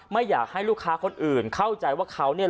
ไม่อยากให้ลูกค้าคนอื่นเข้าใจว่าเขาเนี่ย